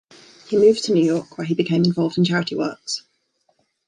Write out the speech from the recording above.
He moved to New York, where he became involved in charity works.